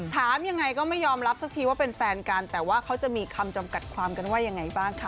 ถามยังไงก็ไม่ยอมรับสักทีว่าเป็นแฟนกันแต่ว่าเขาจะมีคำจำกัดความกันว่ายังไงบ้างคะ